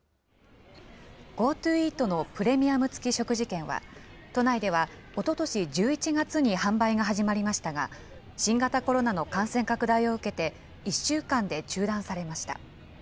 ＧｏＴｏイートのプレミアム付き食事券は、都内ではおととし１１月に販売が始まりましたが、新型コロナの感染拡大を受けて、１週間で中断されました。